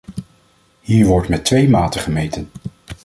Hier wordt met twee maten gemeten.